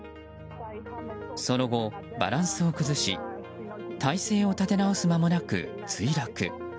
その後、バランスを崩し態勢を立て直す間もなく墜落。